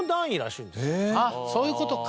あっそういう事か。